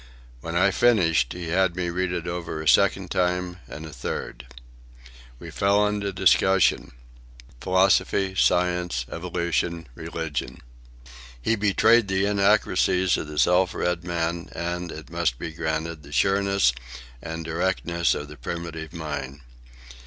When I finished, he had me read it over a second time, and a third. We fell into discussion—philosophy, science, evolution, religion. He betrayed the inaccuracies of the self read man, and, it must be granted, the sureness and directness of the primitive mind.